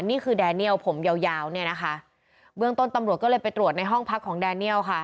นี่คือแดเนียลผมยาวยาวเนี่ยนะคะเบื้องต้นตำรวจก็เลยไปตรวจในห้องพักของแดเนียลค่ะ